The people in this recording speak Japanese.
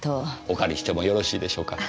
お借りしてもよろしいでしょうか？